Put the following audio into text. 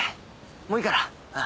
もういいから。